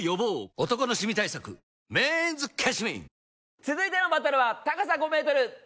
続いてのバトルは高さ５ｍ！